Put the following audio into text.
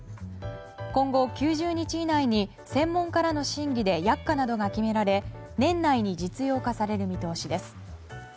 今後、９０日以内に専門家らの審議で薬価などが決められ年内に実用化される見通しです。